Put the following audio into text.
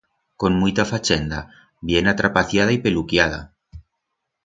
Con muita fachenda, bien atrapaciada y peluquiada.